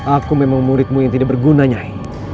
aku memang muridmu yang tidak berguna nyai